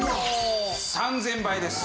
３０００倍です。